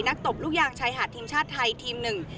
ตบลูกยางชายหาดทีมชาติไทยทีมหนึ่ง